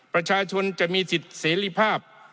ประชาชนจะมีสิทธิเสรีภาพ